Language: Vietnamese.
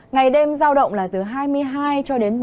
ngày đêm giao động là từ hai mươi hai ba mươi hai độ